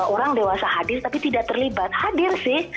orang dewasa hadir tapi tidak terlibat hadir sih